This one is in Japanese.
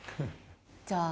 じゃあ。